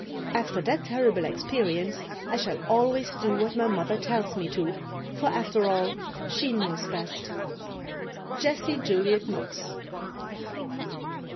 After that terrible experience I shall always do what my mother tells me to, for after all, she knows best. Jessie Juliet Knox.